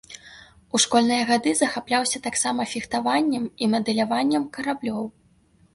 У школьныя гады захапляўся таксама фехтаваннем і мадэляваннем караблёў.